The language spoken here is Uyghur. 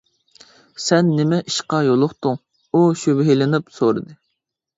سەن نېمە ئىشقا يولۇقتۇڭ؟ ئۇ شۈبھىلىنىپ سورىدى.